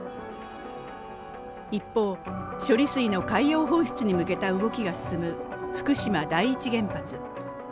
一方、処理水の海洋放出に向けた動きが進む福島第一原発。